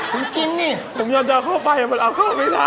คุณกินนี่ผมยอดจะเอาเข้าไปแต่มันเอาเข้าไปได้